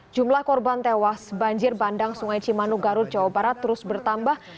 jumlah korban tewas banjir bandang sungai cimanu garut jawa barat terus bertambah